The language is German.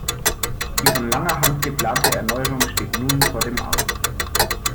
Die von langer Hand geplante Erneuerung steht nun vor dem Aus.